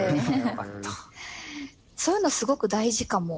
そういうのすごく大事かも。